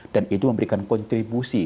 dan itu memberikan kontribusi